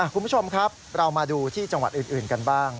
คุณผู้ชมครับเรามาดูที่จังหวัดอื่นกันบ้าง